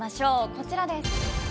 こちらです。